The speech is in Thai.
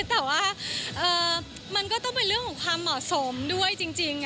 แต่ว่ามันก็ต้องเป็นเรื่องของความเหมาะสมด้วยจริง